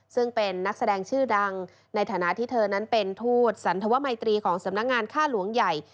ซึ่งเป็นนักแสดงชื่อดังในฐานะที่เธอนั้นเป็นทูตสันธวมัยตรีของสำนักงานค่าหลวงใหญ่